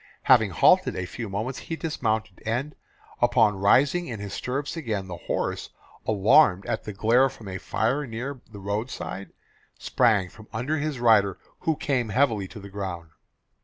Having halted a few moments he dismounted, and upon rising in his stirrup again, the horse, alarmed at the glare from a fire near the road side, sprang from under his rider who came heavily to the ground.